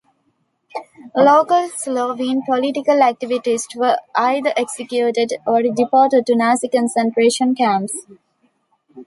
Local Slovene political activists were either executed or deported to Nazi concentration camps.